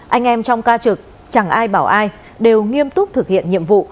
anh em trong ca trực chẳng ai bảo ai đều nghiêm túc thực hiện nhiệm vụ